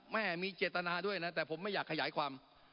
แม่มีเจตนาด้วยนะแต่ผมไม่อยากขยายความ